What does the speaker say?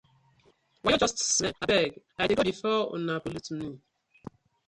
Wayo just smell, I beg I dey go befor una pollute mi.